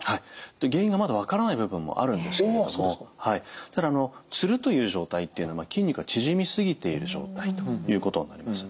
原因がまだ分からない部分もあるんですけれどもただつるという状態っていうのは筋肉が縮みすぎている状態ということになります。